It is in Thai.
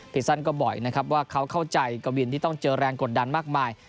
ซันก็บอกอีกนะครับว่าเขาเข้าใจกวินที่ต้องเจอแรงกดดันมากมาย